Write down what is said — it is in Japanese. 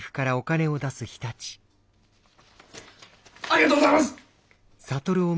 ありがとうございます！